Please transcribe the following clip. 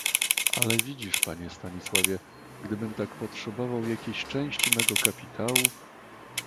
"Ale widzisz, panie Stanisławie, gdybym tak potrzebował jakiejś części mego kapitału..."